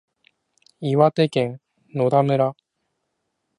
岩手県野田村